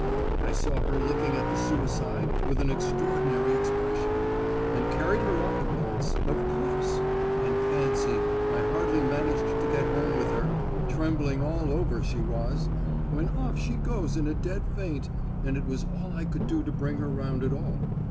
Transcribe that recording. I saw her looking at the suicide with an extraordinary expression, and carried her off at once, of course; and fancy, I hardly managed to get home with her—trembling all over she was—when off she goes in a dead faint, and it was all I could do to bring her round at all.